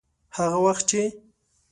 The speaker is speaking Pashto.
هغه وخت چې.